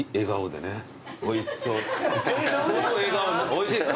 おいしいですか？